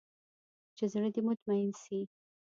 چې زړه دې مطمين سي.